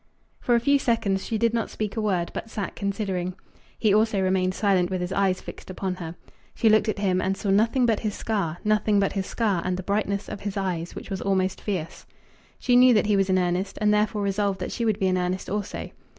For a few seconds she did not speak a word, but sat considering. He also remained silent with his eyes fixed upon her. She looked at him and saw nothing but his scar, nothing but his scar and the brightness of his eyes, which was almost fierce. She knew that he was in earnest, and therefore resolved that she would be in earnest also.